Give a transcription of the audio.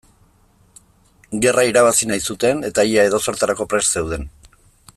Gerra irabazi nahi zuten eta ia edozertarako prest zeuden.